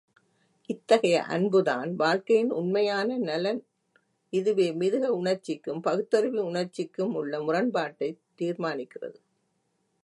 இத்தகைய அன்புதான் வாழ்க்கையின் உண்மையான நலன் இதுவே மிருக உணர்ச்சிக்கும் பகுத்தறிவு உணர்ச்சிக்குமுள்ள முரண்பாட்டைத் தீர்மானிக்கிறது.